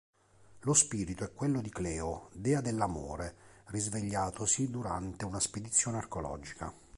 Lo spirito è quello di Cleo, dea dell'amore, risvegliatosi durante una spedizione archeologica.